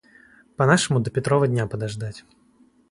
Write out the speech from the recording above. По нашему до Петрова дня подождать.